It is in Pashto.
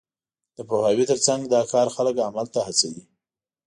د پوهاوي تر څنګ، دا کار خلک عمل ته هڅوي.